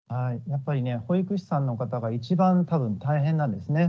やっぱりね保育士さんの方が一番多分大変なんですね。